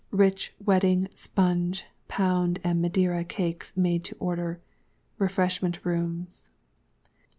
Rich Wedding, Sponge, Pound and Madeira Cakes, made to order. REFRESHMENT ROOMS.